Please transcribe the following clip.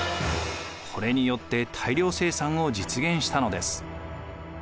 これによって大量生産を実現したのです。